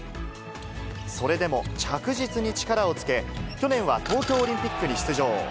それでも着実に力をつけ、去年は東京オリンピックに出場。